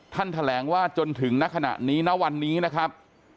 แถลงว่าจนถึงณขณะนี้ณวันนี้นะครับ